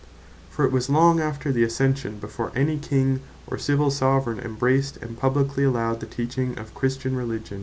For it was long after the Ascension, before any King, or Civill Soveraign embraced, and publiquely allowed the teaching of Christian Religion.